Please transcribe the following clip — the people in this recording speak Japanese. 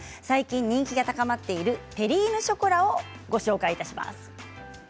最近人気が高まっているテリーヌショコラをご紹介します。